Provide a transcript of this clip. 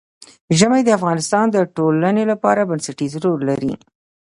ژمی د افغانستان د ټولنې لپاره بنسټيز رول لري.